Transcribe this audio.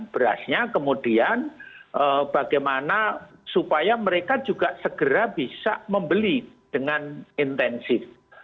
berasnya kemudian bagaimana supaya mereka juga segera bisa membeli dengan intensif